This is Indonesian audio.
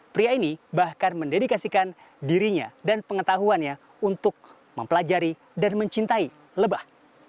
pria ini bahkan mendedikasikan dirinya dan pengetahuannya untuk mempelajari dan mencintai lebah